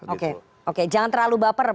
oke oke jangan terlalu baper